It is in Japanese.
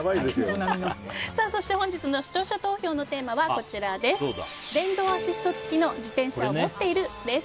そして本日の視聴者投票のテーマは電動アシスト付きの自転車を持っている？です。